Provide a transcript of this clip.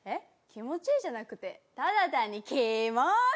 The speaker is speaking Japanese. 気持ちいいじゃなくてただ単にキモい？」。